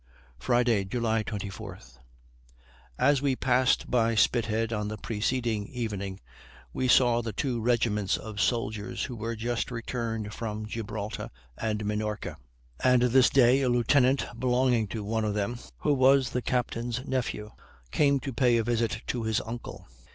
Friday, July 24. As we passed by Spithead on the preceding evening we saw the two regiments of soldiers who were just returned from Gibraltar and Minorca; and this day a lieutenant belonging to one of them, who was the captain's nephew, came to pay a visit to his uncle.